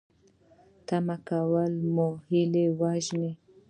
تمه کول مو هیلې وژني